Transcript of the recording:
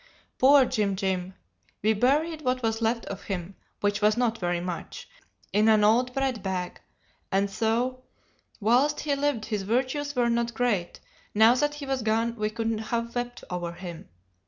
"Poor Jim Jim! We buried what was left of him, which was not very much, in an old bread bag, and though whilst he lived his virtues were not great, now that he was gone we could have wept over him.